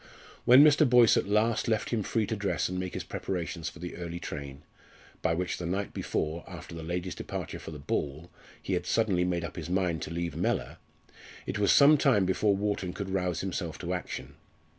When Mr. Boyce at last left him free to dress and make his preparations for the early train, by which the night before, after the ladies' departure for the ball, he had suddenly made up his mind to leave Mellor, it was some time before Wharton could rouse himself to action.